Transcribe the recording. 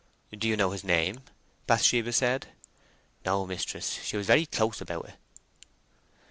"Do you know his name?" Bathsheba said. "No, mistress; she was very close about it."